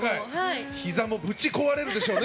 ひざもぶち壊れるでしょうね。